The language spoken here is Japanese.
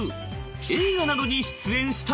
映画などに出演したことも。